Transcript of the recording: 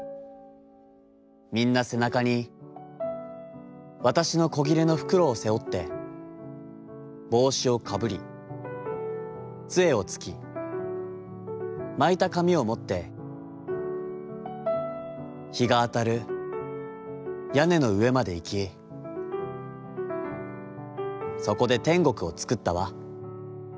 みんな背中に、わたしの小布の袋を背負って、帽子をかぶり、杖をつき、巻いた紙をもって、日があたる屋根の上までいき、そこで天国をつくったわ』。